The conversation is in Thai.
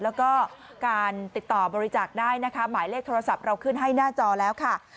แล้วก็การติดต่อบริจาคได้นะคะหมายเลขโทรศัพท์เราขึ้นให้หน้าจอแล้วค่ะ